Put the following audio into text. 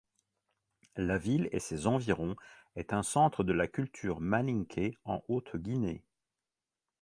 La ville et ses environs est un centre de la culture malinké, en Haute-Guinée.